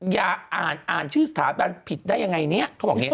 อย่าอ่านชื่อสถานปิดได้ยังไงเนี่ย